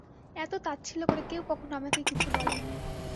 এত তাচ্ছিল্য করে কেউ কখনো আমাকে কিছু বলেনি।